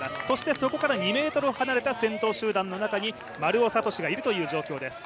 そこから２ｍ離れた先頭集団の中に丸尾知司がいるという状況です。